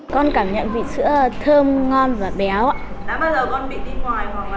con chưa bao giờ bị đi ngoài hay là